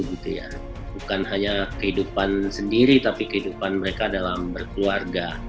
bukan hanya kehidupan sendiri tapi kehidupan mereka dalam berkeluarga